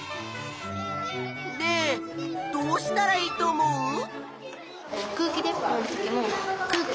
ねえどうしたらいいと思う？